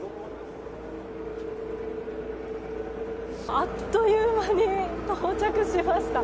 あっという間に到着しました。